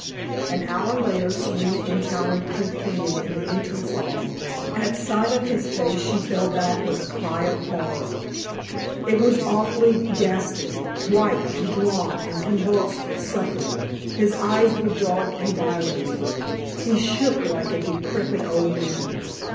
An hour later Serena encountered Keith Kenyon in the entrance hall. At sight of his face she fell back with a cry of horror. It was awfully ghastly, white, and drawn and convulsed with suffering; his eyes were dark and dilated; he shook like a decrepit old man.